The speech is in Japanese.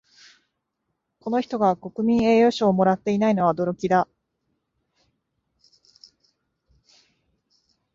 この人が国民栄誉賞をもらっていないのは驚きだ